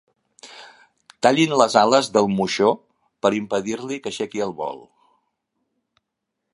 Tallin les ales del moixó per impedir-li que aixequi el vol.